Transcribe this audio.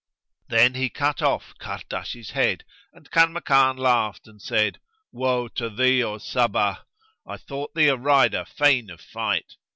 Then he cut off Kahrdash's head and Kanmakan laughed and said, "Woe to thee, O Sabbah! I thought thee a rider fain of fight."